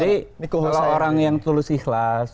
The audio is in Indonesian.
jadi kalau orang yang tulus ikhlas